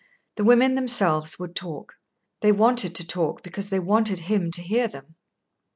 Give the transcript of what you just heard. The women themselves would talk. They wanted to talk because they wanted him to hear them.